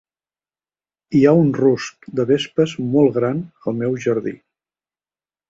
Hi ha un rusc de vespes molt gran al meu jardí.